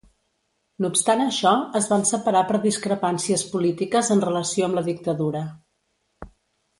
No obstant això, es van separar per discrepàncies polítiques en relació amb la dictadura.